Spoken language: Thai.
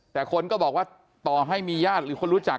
แต่คนก็บอกว่าต่อให้มีญาติหรือคนรู้จัก